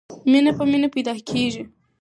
مینه په مینه پیدا کېږي.